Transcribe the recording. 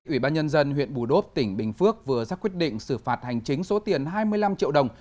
ủy ban nhân dân huyện bù đốp tỉnh bình phước vừa ra quyết định xử phạt hành chính số tiền hai mươi năm triệu đồng